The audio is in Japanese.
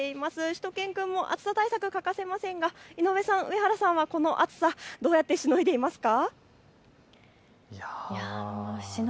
しゅと犬くんも暑さ対策、欠かせませんが井上さん、上原さんはこの暑さどうやってしのいでいますか。